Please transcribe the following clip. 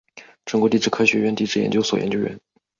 中国地质科学院地质研究所研究员。